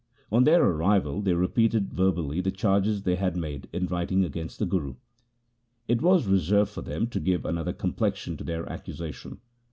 On their arrival they repeated verbally the charges they had made in writing against the Guru. It was reserved for them to give another complexion to their accusation.